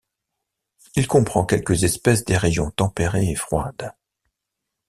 Il comprend quelques espèces des régions tempérées et froides.